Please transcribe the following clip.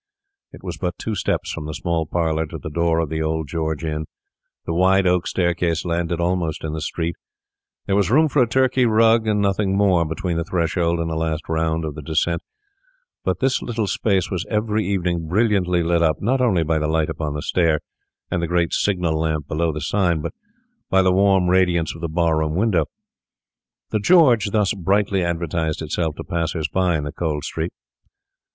It was but two steps from the small parlour to the door of the old George Inn; the wide oak staircase landed almost in the street; there was room for a Turkey rug and nothing more between the threshold and the last round of the descent; but this little space was every evening brilliantly lit up, not only by the light upon the stair and the great signal lamp below the sign, but by the warm radiance of the bar room window. The George thus brightly advertised itself to passers by in the cold street.